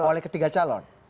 oleh ketiga calon